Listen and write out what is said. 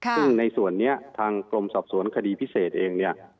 ซึ่งในส่วนนี้ทางกรมสอบสวนคดีพิเศษเองเนี่ย